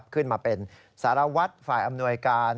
ขึ้นมาเป็นสารวัตรฝ่ายอำนวยการ